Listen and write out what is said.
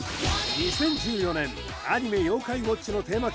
２０１４年アニメ「妖怪ウォッチ」のテーマ曲